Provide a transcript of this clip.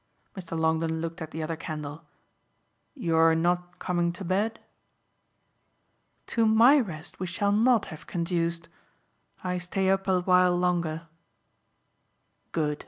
Mr. Longdon looked at the other candle. "You're not coming to bed?" "To MY rest we shall not have conduced. I stay up a while longer." "Good."